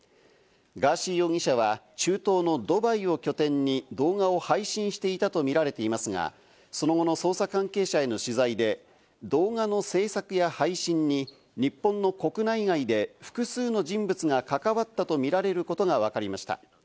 ガーシー容疑者は、中東のドバイを拠点に動画を配信していたとみられていますが、その後の捜査関係者への取材で、動画の制作や配信に日本の国内外で複数の人物が関わったとみられることがわかりました。